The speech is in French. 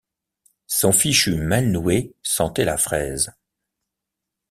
Son fichu mal noué sentait la fraise.